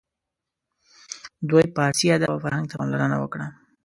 دوی فارسي ادب او فرهنګ ته پاملرنه وکړه.